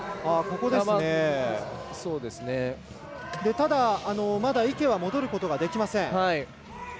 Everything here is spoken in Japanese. ただまだ池は戻ることはできません。